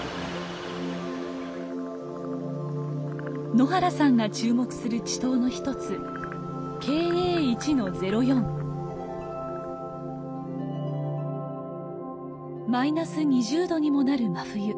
野原さんが注目する池溏の一つマイナス２０度にもなる真冬。